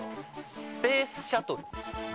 スペースシャトル。